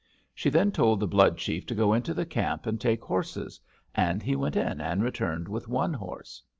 She then told the Blood chief to go into the camp and take horses, and he went in and returned with one horse.